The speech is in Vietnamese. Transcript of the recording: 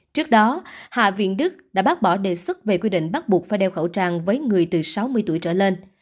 trước đó hạ viện đức đã bác bỏ đề xuất về quy định bắt buộc phải đeo khẩu trang với người từ sáu mươi tuổi trở lên